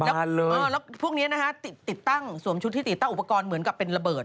แล้วพวกนี้นะฮะติดตั้งสวมชุดที่ติดตั้งอุปกรณ์เหมือนกับเป็นระเบิด